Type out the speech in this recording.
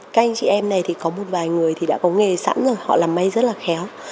các anh chị em này có một vài người đã có nghề sẵn rồi họ làm mây rất là khéo